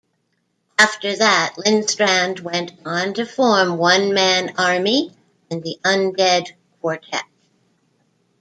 After that, Lindstrand went on to form One Man Army and the Undead Quartet.